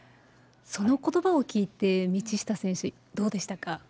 そのことばを聞いて、道下選手、どうでしたか。